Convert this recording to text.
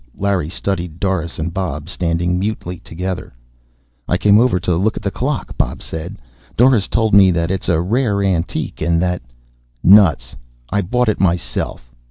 Larry studied Doris and Bob, standing mutely together. "I came over to look at the clock," Bob said. "Doris told me that it's a rare antique and that " "Nuts. I bought it myself."